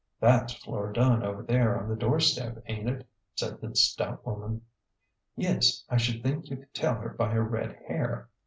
"That's Flora Dunn over there on the door step, ain't it ?" said the stout woman. " Yes. I should think you could tell her by her red hair."